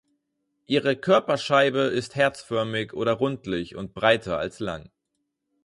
Ihre Körperscheibe ist herzförmig oder rundlich und breiter als lang.